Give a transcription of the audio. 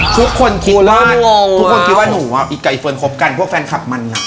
ทุกคนคิดว่าทุกคนคิดว่าหนูอะกับไอ้เฟิร์นคบกันพวกแฟนคลับมันกัน